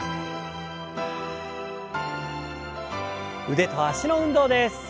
腕と脚の運動です。